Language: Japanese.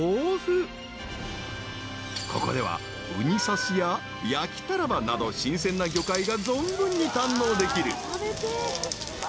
［ここではうに刺しや焼きタラバなど新鮮な魚介が存分に堪能できる］